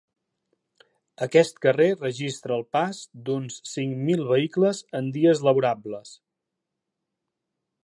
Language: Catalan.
Aquest carrer registra el pas d’uns cinc mil vehicles en dies laborables.